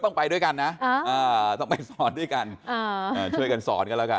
ต้องไปด้วยกันนะต้องไปสอนด้วยกันช่วยกันสอนกันแล้วกัน